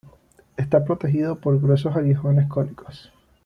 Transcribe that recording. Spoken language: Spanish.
Está protegido por gruesos aguijones cónicos.